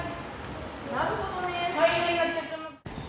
なるほどね。